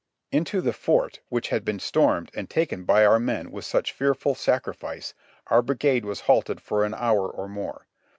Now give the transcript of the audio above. Into the fort which had been stormed and taken by our men with such fearful sacrifice, our brigade was halted for an hour or more.